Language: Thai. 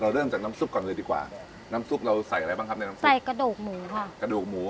เริ่มจากน้ำซุปก่อนเลยดีกว่าน้ำซุปเราใส่อะไรบ้างครับในน้ำซุใส่กระดูกหมูค่ะกระดูกหมู